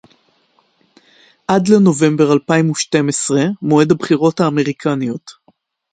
עד לנובמבר אלפיים ושתים עשרה מועד הבחירות האמריקניות